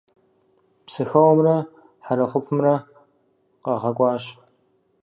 Псыхэуэмрэ хьэрэхьупымрэ къагъэкӀуащ.